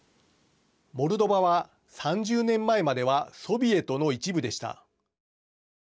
モルドバは、３０年前まではソビエトの一部でした。